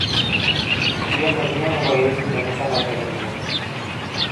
диэн эмиэ убайын бүтэҥи саҥата иһиллэр